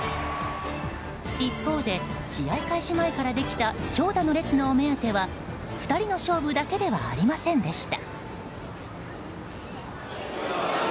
一方で、試合開始前からできた長蛇の列のお目当ては２人の勝負だけではありませんでした。